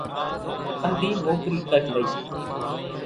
کنڌِي موڪرِي ڪرِ لئِي۔